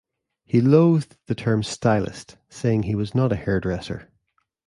He loathed the term 'stylist', saying he was not a hairdresser.